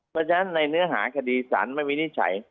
เพราะฉะนั้นในเนื้อหาคดีสารไม่วินิจฉัย